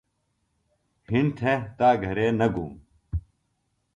ہِنڈ تھے تہ گھرے نہ گُوم